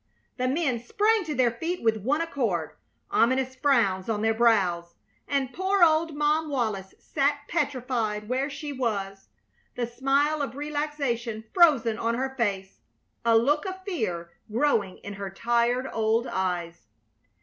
The men sprang to their feet with one accord, ominous frowns on their brows, and poor old Mom Wallis sat petrified where she was, the smile of relaxation frozen on her face, a look of fear growing in her tired old eyes.